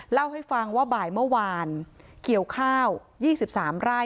เล่าให้ฟังว่าบ่ายเมื่อวานเกี่ยวข้าว๒๓ไร่